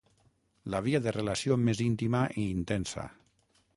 La via de relació més íntima i intensa.